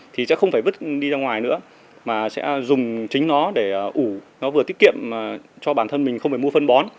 thì sẽ không phải vứt đi ra ngoài nữa mà sẽ dùng chính nó để ủ nó vừa tiết kiệm cho bản thân mình không phải mua phân bón